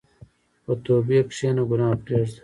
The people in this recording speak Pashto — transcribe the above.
په توبې کښېنه، ګناه پرېږده.